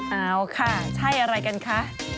เอาค่ะใช่อะไรกันคะ